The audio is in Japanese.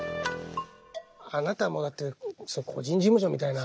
あなたもだって個人事務所みたいな。